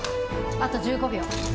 あと１５秒。